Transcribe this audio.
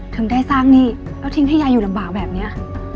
ถึงได้สร้างหนี้แล้วทิ้งให้ยายอยู่ลำบากแบบนี้